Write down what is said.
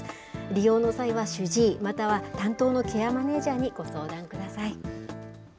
利用の際は主治医、または担当のケアマネージャーにご相談くださ